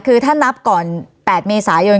คือถ้านับก่อน๘เมษายน